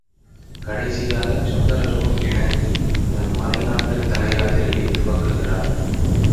கடைசியாகச் சுந்தரரும் இணங்கி தன் மலைநாட்டுத் தலயாத்திரையைத் துவக்குகிறார்.